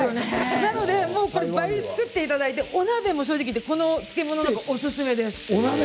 なので倍に作っていただいてお鍋にもこの漬物はおすすめです。